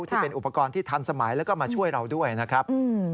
ที่เป็นอุปกรณ์ที่ทันสมัยแล้วก็มาช่วยเราด้วยนะครับ